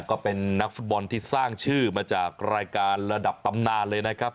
ก็เป็นนักฟุตบอลที่สร้างชื่อมาจากรายการระดับตำนานเลยนะครับ